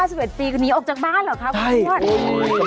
เพราะอายุ๙๑ปีหนีออกจากบ้านเหรอครับคุณทวช